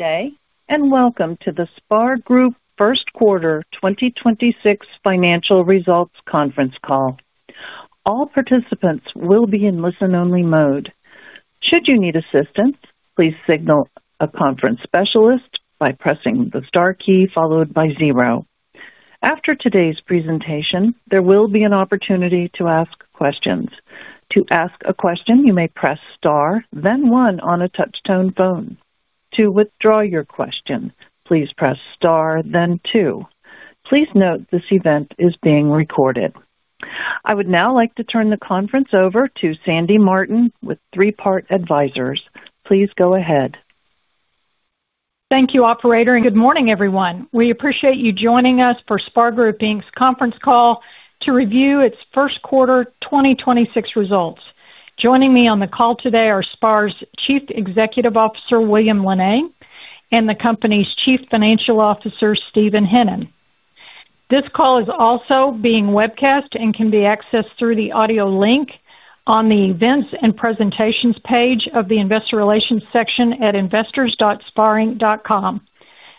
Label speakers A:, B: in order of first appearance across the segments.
A: Good day, and welcome to the SPAR Group First Quarter 2026 Financial Results Conference Call. I would now like to turn the conference over to Sandy Martin with Three Part Advisors. Please go ahead.
B: Thank you, operator, and good morning, everyone. We appreciate you joining us for SPAR Group Inc.'s conference call to review its first quarter 2026 results. Joining me on the call today are SPAR's Chief Executive Officer, William Linnane, and the company's Chief Financial Officer, Steven Hennen. This call is also being webcast and can be accessed through the audio link on the Events and Presentations page of the investor relations section at investors.sparinc.com.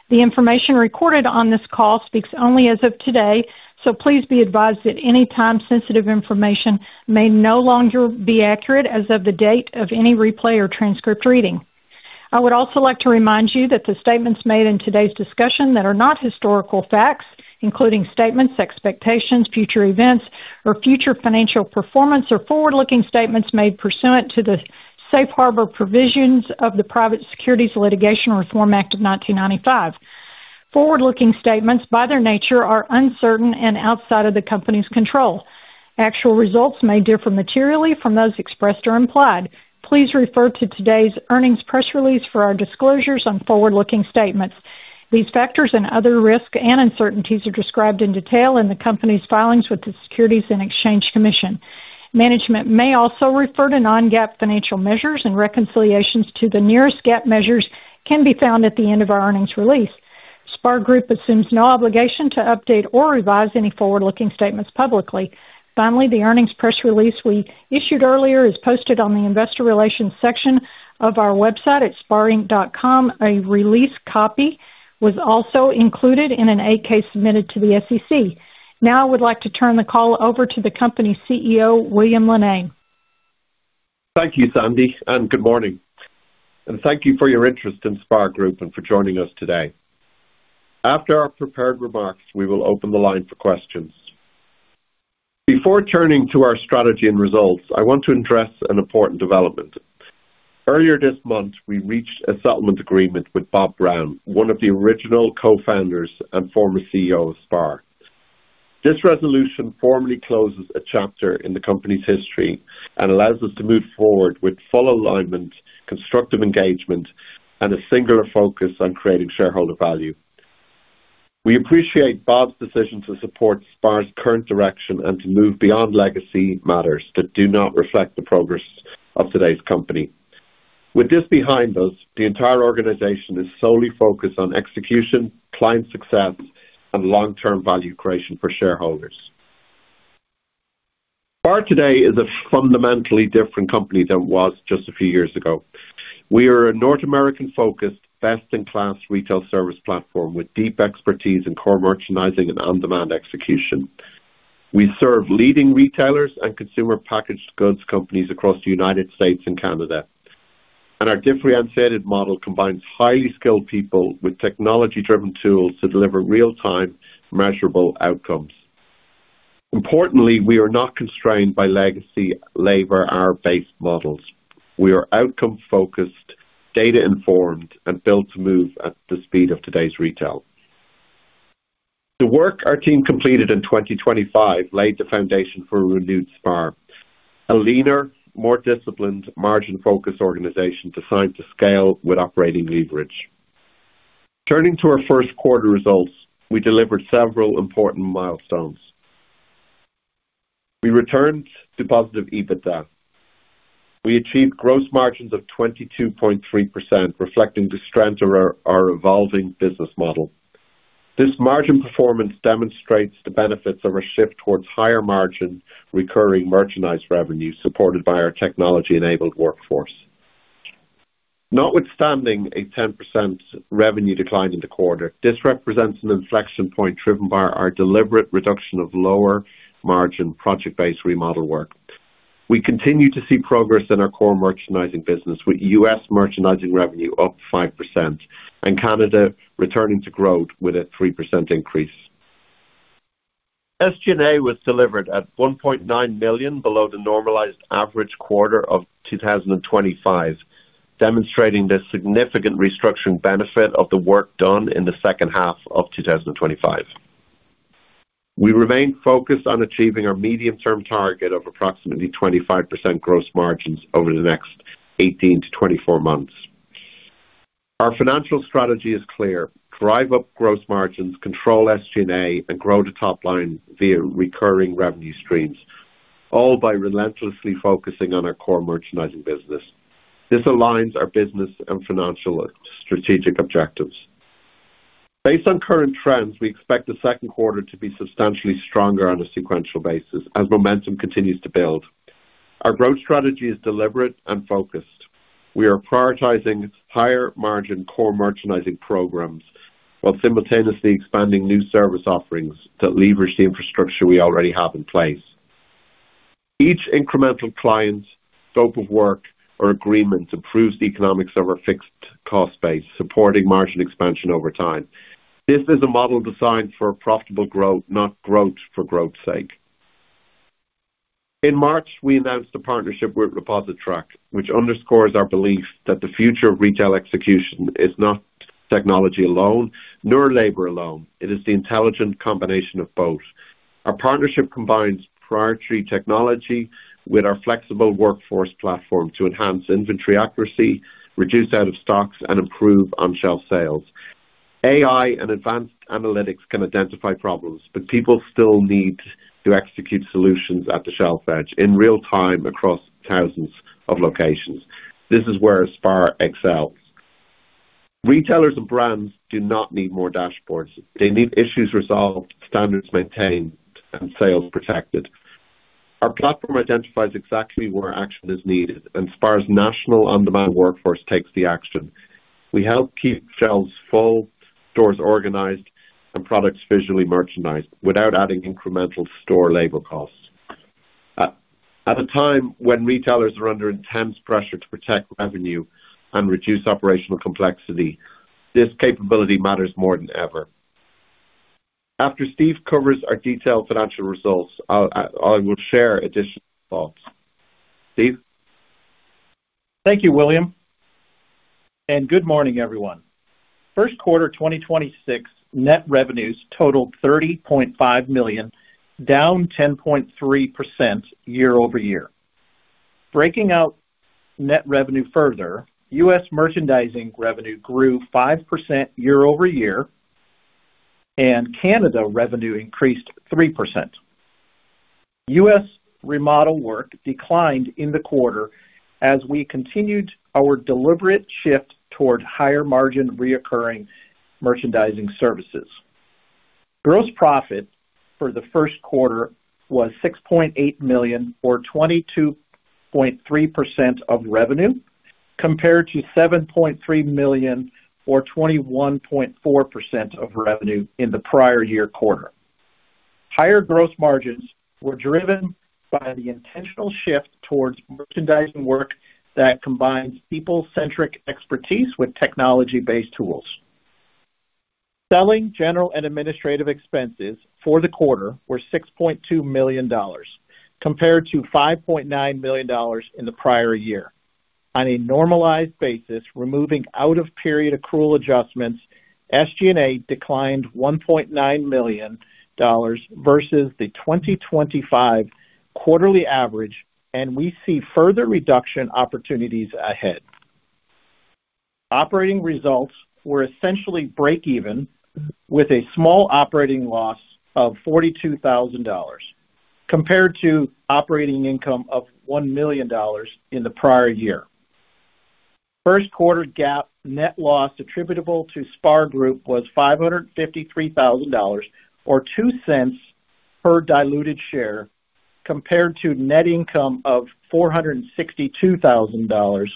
B: The information recorded on this call speaks only as of today, so please be advised that any time-sensitive information may no longer be accurate as of the date of any replay or transcript reading. I would also like to remind you that the statements made in today's discussion that are not historical facts, including statements, expectations, future events or future financial performance or forward-looking statements made pursuant to the safe harbor provisions of the Private Securities Litigation Reform Act of 1995. Forward-looking statements, by their nature, are uncertain and outside of the company's control. Actual results may differ materially from those expressed or implied. Please refer to today's earnings press release for our disclosures on forward-looking statements. These factors and other risks and uncertainties are described in detail in the company's filings with the Securities and Exchange Commission. Management may also refer to non-GAAP financial measures and reconciliations to the nearest GAAP measures can be found at the end of our earnings release. SPAR Group assumes no obligation to update or revise any forward-looking statements publicly. Finally, the earnings press release we issued earlier is posted on the investor relations section of our website at sparinc.com. A release copy was also included in an 8-K submitted to the SEC. Now I would like to turn the call over to the company CEO, William Linnane.
C: Thank you, Sandy, and good morning. Thank you for your interest in SPAR Group and for joining us today. After our prepared remarks, we will open the line for questions. Before turning to our strategy and results, I want to address an important development. Earlier this month, we reached a settlement agreement with Bob Brown, one of the original co-founders and former CEO of SPAR. This resolution formally closes a chapter in the company's history and allows us to move forward with full alignment, constructive engagement, and a singular focus on creating shareholder value. We appreciate Bob's decision to support SPAR's current direction and to move beyond legacy matters that do not reflect the progress of today's company. With this behind us, the entire organization is solely focused on execution, client success, and long-term value creation for shareholders. SPAR today is a fundamentally different company than it was just a few years ago. We are a North American-focused, best-in-class retail service platform with deep expertise in core merchandising and on-demand execution. We serve leading retailers and consumer packaged goods companies across the United States and Canada. Our differentiated model combines highly skilled people with technology-driven tools to deliver real-time measurable outcomes. Importantly, we are not constrained by legacy labor or base models. We are outcome-focused, data-informed, and built to move at the speed of today's retail. The work our team completed in 2025 laid the foundation for a renewed SPAR, a leaner, more disciplined, margin-focused organization designed to scale with operating leverage. Turning to our first quarter results, we delivered several important milestones. We returned to positive EBITDA. We achieved gross margins of 22.3%, reflecting the strength of our evolving business model. This margin performance demonstrates the benefits of a shift towards higher margin recurring merchandising revenue supported by our technology-enabled workforce. Notwithstanding a 10% revenue decline in the quarter, this represents an inflection point driven by our deliberate reduction of lower margin project-based remodel work. We continue to see progress in our core merchandising business, with U.S. merchandising revenue up 5% and Canada returning to growth with a 3% increase. SG&A was delivered at $1.9 million below the normalized average quarter of 2025, demonstrating the significant restructuring benefit of the work done in the second half of 2025. We remain focused on achieving our medium-term target of approximately 25% gross margins over the next 18-24 months. Our financial strategy is clear: Drive up gross margins, control SG&A, and grow the top line via recurring revenue streams, all by relentlessly focusing on our core merchandising business. This aligns our business and financial strategic objectives. Based on current trends, we expect the second quarter to be substantially stronger on a sequential basis as momentum continues to build. Our growth strategy is deliberate and focused. We are prioritizing higher margin core merchandising programs while simultaneously expanding new service offerings that leverage the infrastructure we already have in place. Each incremental client's scope of work or agreements improves the economics of our fixed cost base, supporting margin expansion over time. This is a model designed for profitable growth, not growth for growth's sake. In March, we announced a partnership with ReposiTrak, which underscores our belief that the future of retail execution is not technology alone, nor labor alone. It is the intelligent combination of both. Our partnership combines proprietary technology with our flexible workforce platform to enhance inventory accuracy, reduce out of stocks, and improve on-shelf sales. AI and advanced analytics can identify problems, but people still need to execute solutions at the shelf edge in real time across thousands of locations. This is where SPAR excels. Retailers and brands do not need more dashboards. They need issues resolved, standards maintained, and sales protected. Our platform identifies exactly where action is needed, and SPAR's national on-demand workforce takes the action. We help keep shelves full, stores organized, and products visually merchandised without adding incremental store labor costs. At a time when retailers are under intense pressure to protect revenue and reduce operational complexity, this capability matters more than ever. After Steve covers our detailed financial results, I will share additional thoughts. Steve?
D: Thank you, William, and good morning, everyone. First quarter 2026 net revenues totaled $30.5 million, down 10.3% year-over-year. Breaking out net revenue further, U.S. merchandising revenue grew 5% year-over-year, and Canada revenue increased 3%. U.S. remodel work declined in the quarter as we continued our deliberate shift toward higher margin reoccurring merchandising services. Gross profit for the first quarter was $6.8 million or 22.3% of revenue, compared to $7.3 million or 21.4% of revenue in the prior year quarter. Higher gross margins were driven by the intentional shift towards merchandising work that combines people-centric expertise with technology-based tools. Selling, general, and administrative expenses for the quarter were $6.2 million, compared to $5.9 million in the prior year. On a normalized basis, removing out of period accrual adjustments, SG&A declined $1.9 million versus the 2025 quarterly average, and we see further reduction opportunities ahead. Operating results were essentially break even, with a small operating loss of $42,000, compared to operating income of $1 million in the prior year. First quarter GAAP net loss attributable to SPAR Group was $553,000 or $0.02 per diluted share, compared to net income of $462,000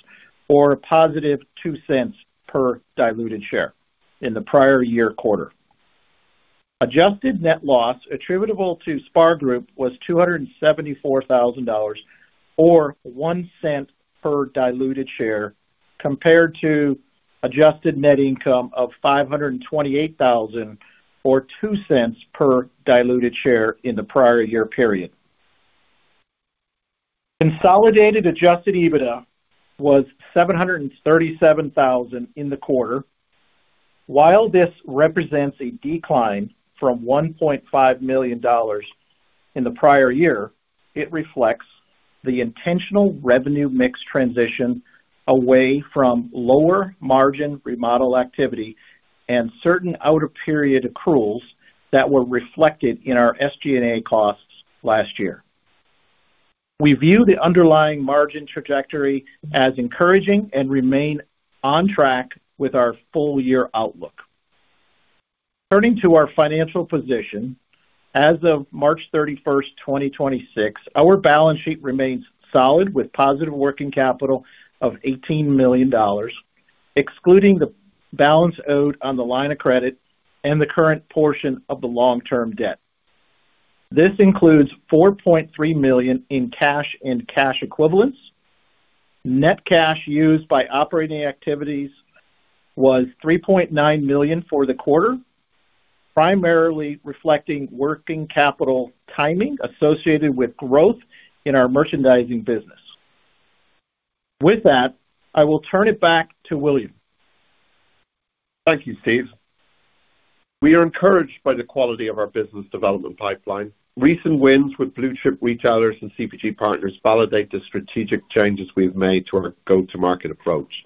D: or a positive $0.02 per diluted share in the prior year quarter. Adjusted net loss attributable to SPAR Group was $274,000 or $0.01 per diluted share, compared to adjusted net income of $528,000 or $0.02 per diluted share in the prior year period. Consolidated adjusted EBITDA was $737,000 in the quarter. While this represents a decline from $1.5 million in the prior year, it reflects the intentional revenue mix transition away from lower margin remodel activity and certain out of period accruals that were reflected in our SG&A costs last year. We view the underlying margin trajectory as encouraging and remain on track with our full year outlook. Turning to our financial position. As of March 31st, 2026, our balance sheet remains solid with positive working capital of $18 million, excluding the balance owed on the line of credit and the current portion of the long-term debt. This includes $4.3 million in cash and cash equivalents. Net cash used by operating activities was $3.9 million for the quarter, primarily reflecting working capital timing associated with growth in our merchandising business. With that, I will turn it back to William.
C: Thank you, Steve. We are encouraged by the quality of our business development pipeline. Recent wins with blue-chip retailers and CPG partners validate the strategic changes we've made to our go-to-market approach.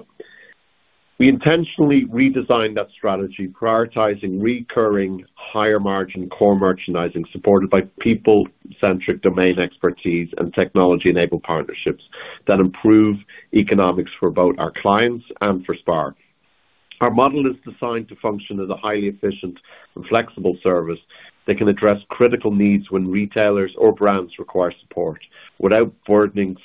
C: We intentionally redesigned that strategy, prioritizing recurring higher margin core merchandising supported by people-centric domain expertise and technology-enabled partnerships that improve economics for both our clients and for SPAR. Our model is designed to function as a highly efficient and flexible service that can address critical needs when retailers or brands require support without burdening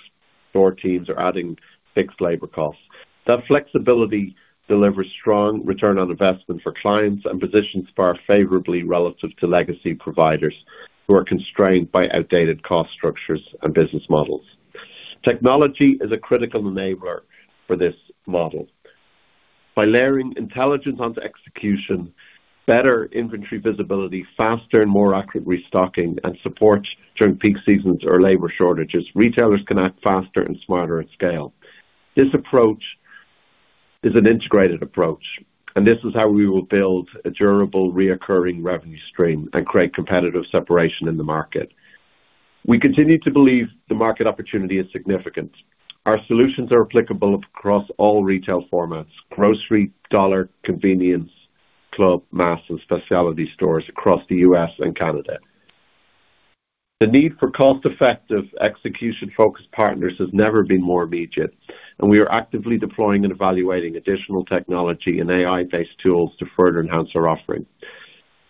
C: store teams or adding fixed labor costs. That flexibility delivers strong return on investment for clients and positions SPAR favorably relative to legacy providers who are constrained by outdated cost structures and business models. Technology is a critical enabler for this model. By layering intelligence onto execution, better inventory visibility, faster and more accurate restocking, and support during peak seasons or labor shortages, retailers can act faster and smarter at scale. This approach is an integrated approach, and this is how we will build a durable, reoccurring revenue stream and create competitive separation in the market. We continue to believe the market opportunity is significant. Our solutions are applicable across all retail formats, grocery, dollar, convenience, club, mass, and specialty stores across the U.S. and Canada. The need for cost-effective, execution-focused partners has never been more immediate, and we are actively deploying and evaluating additional technology and AI-based tools to further enhance our offering.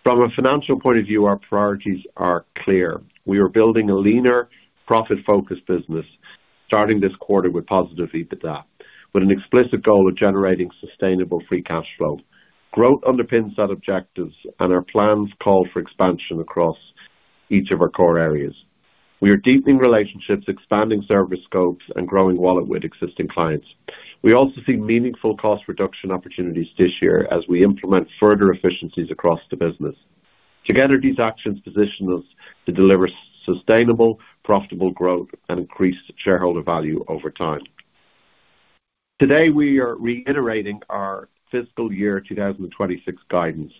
C: From a financial point of view, our priorities are clear. We are building a leaner, profit-focused business starting this quarter with positive EBITDA, with an explicit goal of generating sustainable free cash flow. Growth underpins that objective and our plans call for expansion across each of our core areas. We are deepening relationships, expanding service scopes, and growing wallet with existing clients. We also see meaningful cost reduction opportunities this year as we implement further efficiencies across the business. Together, these actions position us to deliver sustainable, profitable growth and increase shareholder value over time. Today, we are reiterating our fiscal year 2026 guidance.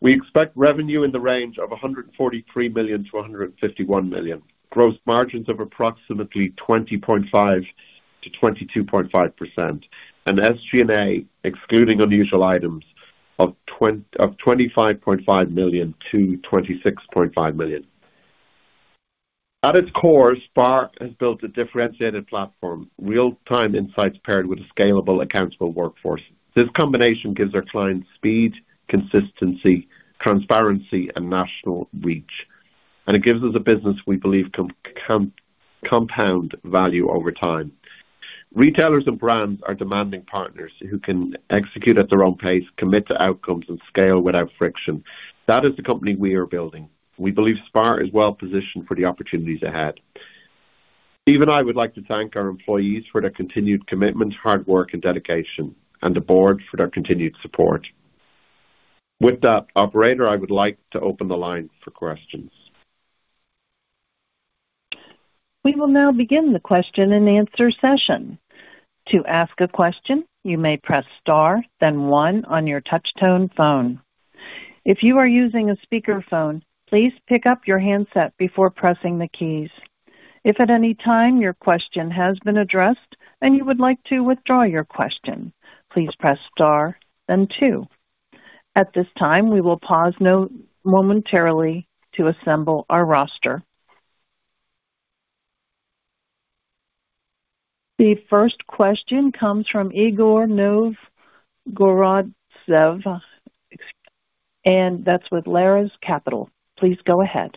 C: We expect revenue in the range of $143 million-$151 million, gross margins of approximately 20.5%-22.5%, and SG&A, excluding unusual items, of $25.5 million-$26.5 million. At its core, SPAR has built a differentiated platform, real-time insights paired with a scalable, accountable workforce. This combination gives our clients speed, consistency, transparency, and national reach, and it gives us a business we believe can compound value over time. Retailers and brands are demanding partners who can execute at their own pace, commit to outcomes, and scale without friction. That is the company we are building. We believe SPAR is well-positioned for the opportunities ahead. Steve and I would like to thank our employees for their continued commitment, hard work, and dedication and the board for their continued support. With that, operator, I would like to open the line for questions.
A: We will now begin the question and answer session. To ask a question, you may press star then one on your touch tone phone. If you are using a speakerphone, please pick up your handset before pressing the keys. If at any time your question has been addressed and you would like to withdraw your question, please press star then two. At this time, we will pause momentarily to assemble our roster. The first question comes from Igor Novgorodtsev, that's with Lares Capital. Please go ahead.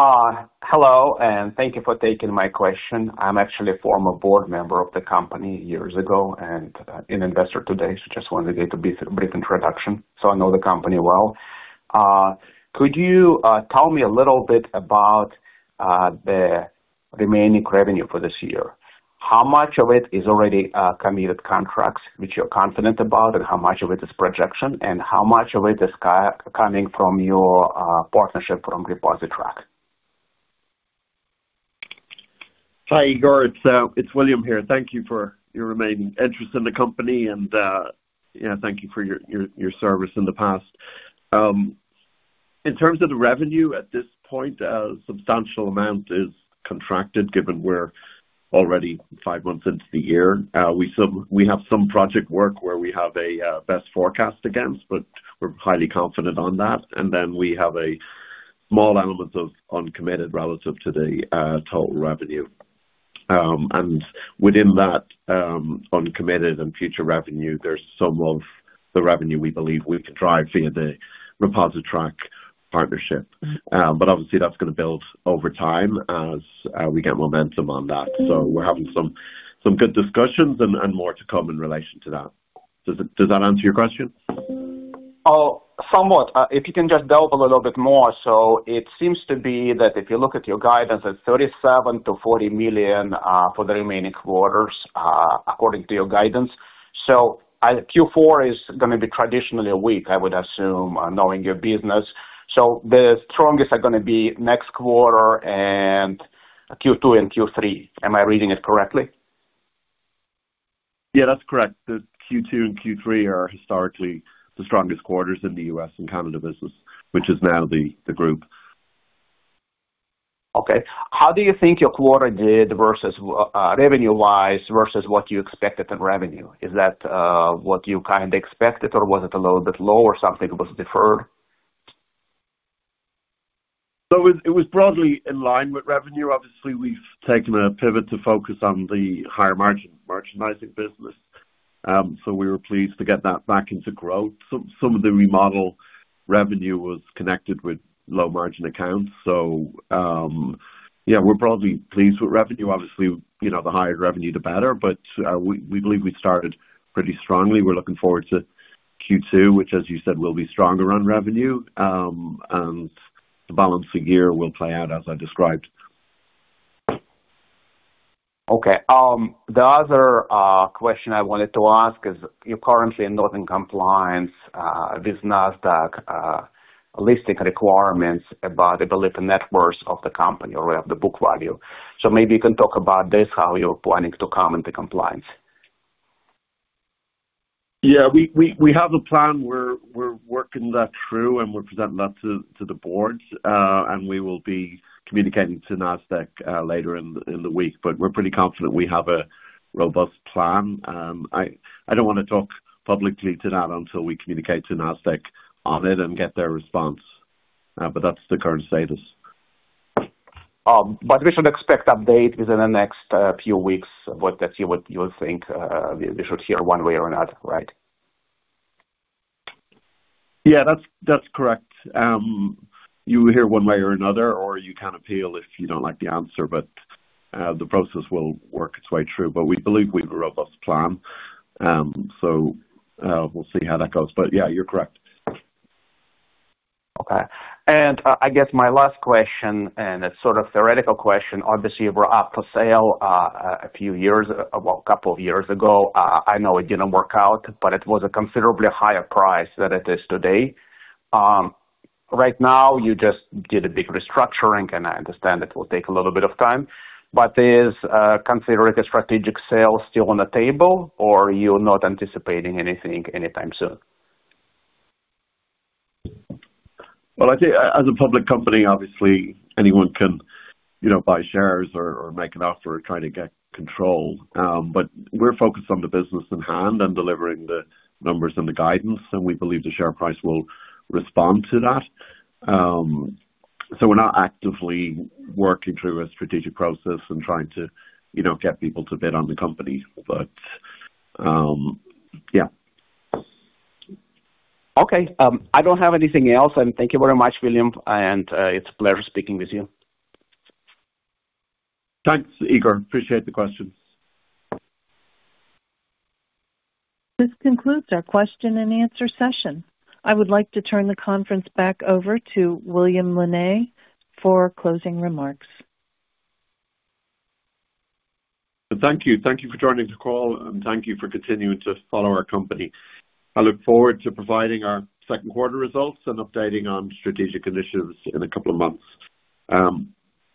E: Hello, thank you for taking my question. I'm actually a former board member of the company years ago and an investor today, just wanted to give a brief introduction. I know the company well. Could you tell me a little bit about the remaining revenue for this year? How much of it is already committed contracts which you're confident about, and how much of it is projection, and how much of it is coming from your partnership from ReposiTrak?
C: Hi, Igor. It's William here. Thank you for your remaining interest in the company and, yeah, thank you for your service in the past. In terms of the revenue at this point, a substantial amount is contracted given we're already five months into the year. We have some project work where we have a best forecast against, we're highly confident on that. We have a small element of uncommitted relative to the total revenue. Within that, uncommitted and future revenue, there's some of the revenue we believe we can drive via the ReposiTrak partnership. Obviously, that's gonna build over time as we get momentum on that. We're having some good discussions and more to come in relation to that. Does that answer your question?
E: Somewhat. If you can just delve a little bit more. It seems to be that if you look at your guidance at $37 million-$40 million for the remaining quarters, according to your guidance. Q4 is gonna be traditionally weak, I would assume, knowing your business. The strongest are gonna be next quarter and Q2 and Q3. Am I reading it correctly?
C: Yeah, that's correct. The Q2 and Q3 are historically the strongest quarters in the U.S. and Canada business, which is now the group.
E: Okay. How do you think your quarter did versus revenue-wise versus what you expected of revenue? Is that what you kind of expected, or was it a little bit low or something was deferred?
C: It was broadly in line with revenue. Obviously, we've taken a pivot to focus on the higher margin merchandising business. We were pleased to get that back into growth. Some of the remodel revenue was connected with low margin accounts. We're broadly pleased with revenue. Obviously, you know, the higher revenue the better, but we believe we started pretty strongly. We're looking forward to Q2, which as you said, will be stronger on revenue. The balancing gear will play out as I described.
E: Okay. The other question I wanted to ask is you're currently not in compliance with NASDAQ listing requirements about the book net worth of the company or of the book value. Maybe you can talk about this, how you're planning to come into compliance.
C: Yeah. We have a plan. We're working that through, and we're presenting that to the boards. We will be communicating to NASDAQ later in the week. We're pretty confident we have a robust plan. I don't wanna talk publicly to that until we communicate to NASDAQ on it and get their response. That's the current status.
E: We should expect update within the next few weeks. Let's see what you think, we should hear one way or another, right?
C: That's correct. You hear one way or another, or you can appeal if you don't like the answer. The process will work its way through. We believe we have a robust plan. We'll see how that goes. You're correct.
E: Okay. I guess my last question, and a sort of theoretical question. Obviously, you were up for sale a few years, well, a couple of years ago. I know it didn't work out, but it was a considerably higher price than it is today. Right now you just did a big restructuring, and I understand it will take a little bit of time, but is considering a strategic sale still on the table, or you're not anticipating anything anytime soon?
C: Well, I think as a public company, obviously anyone can, you know, buy shares or make an offer to try to get control. We're focused on the business in hand and delivering the numbers and the guidance, and we believe the share price will respond to that. We're not actively working through a strategic process and trying to, you know, get people to bid on the company. Yeah.
E: Okay. I don't have anything else. Thank you very much, William, and it's a pleasure speaking with you.
C: Thanks, Igor. Appreciate the questions.
A: This concludes our question and answer session. I would like to turn the conference back over to William Linnane for closing remarks.
C: Thank you. Thank you for joining the call, and thank you for continuing to follow our company. I look forward to providing our second quarter results and updating on strategic initiatives in a couple of months.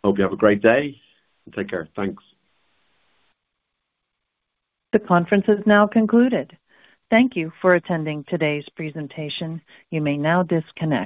C: Hope you have a great day. Take care. Thanks.
A: The conference is now concluded. Thank you for attending today's presentation. You may now disconnect.